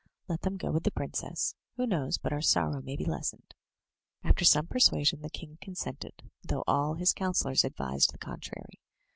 Let them go with the princess; who knows but our sorrow may be lessened?" After some persuasion the king consented, though all his councillors advised the contrary.